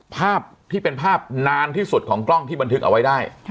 ภาพที่เป็นภาพนานที่สุดของกล้องที่บันทึกเอาไว้ได้